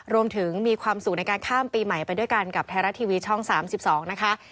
มีความสุขในการข้ามปีใหม่ไปด้วยกันกับไทยรัฐทีวีช่อง๓๒นะคะ